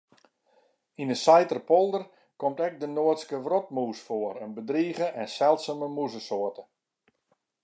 Yn de Saiterpolder komt ek de Noardske wrotmûs foar, in bedrige en seldsume mûzesoarte.